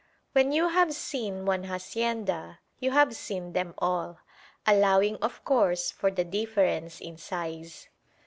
When you have seen one hacienda you have seen them all, allowing of course for the difference in size.